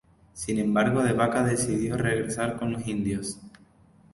Sin embargo de Vaca decidió regresar con los indios.